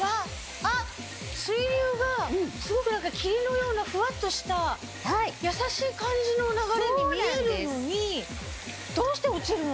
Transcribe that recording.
水流がすごく霧のようなフワっとした優しい感じの流れに見えるのにどうして落ちるの？